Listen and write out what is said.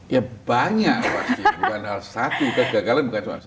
ya banyak pasti bukan hal satu kegagalan bukan soal satu